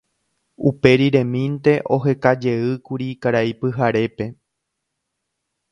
Uperiremínte ohekajeýkuri Karai Pyharépe.